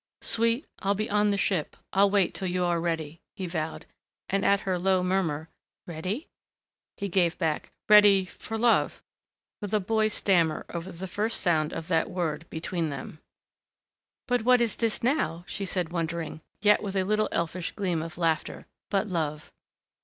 "Sweet, I'll be on the ship I'll wait till you are ready," he vowed and at her low murmur, "Ready ?" he gave back, "Ready for love," with a boy's stammer over the first sound of that word between them. "But what is this now," she said wondering, yet with a little elfish gleam of laughter, "but love?"